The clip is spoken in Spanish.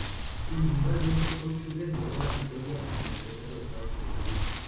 Individualmente, Tom Schuler logró la victoria en el Campeonato de Estados Unidos.